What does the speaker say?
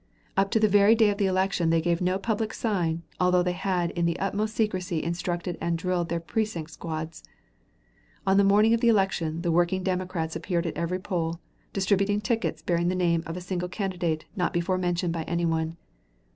Up to the very day of election they gave no public sign, although they had in the utmost secrecy instructed and drilled their precinct squads. On the morning of election the working Democrats appeared at every poll, distributing tickets bearing the name of a single candidate not before mentioned by any one.